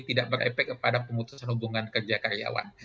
tidak berepek kepada pemutusan hubungan kerja karyawan